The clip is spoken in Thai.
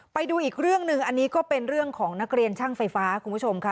ไปดูอีกเรื่องหนึ่งอันนี้ก็เป็นเรื่องของนักเรียนช่างไฟฟ้าคุณผู้ชมค่ะ